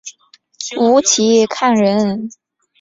吴其沆人。